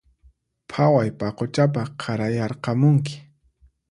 Phaway paquchapaq qarayarqamunki